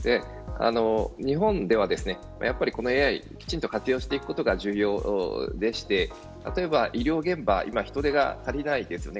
日本では、やっぱりこのＡＩ、きちんと活用していくことが重要でして例えば医療現場、今人手が足りないんですよね。